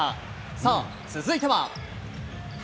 さあ、続いては。